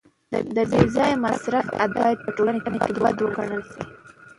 د بې ځایه مصرف عادت باید په ټولنه کي بد وګڼل سي.